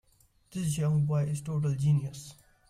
This young boy is a total genius.